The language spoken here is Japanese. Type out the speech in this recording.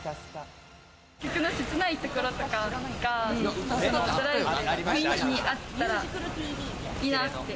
曲のせつないところとかが、ドライブで雰囲気に合った、いいなって。